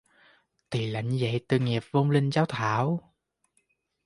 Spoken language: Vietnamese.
Thì làm như vậy Tội nghiệp vong linh cháu Thảo